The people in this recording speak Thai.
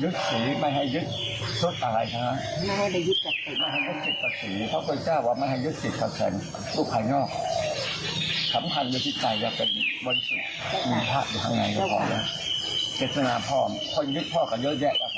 ใช่ไหมแม้จะพ่อจับอยู่ให้พบใส่แล้วเขาก็เข้าใจอยู่โดยสุดกว่ากัน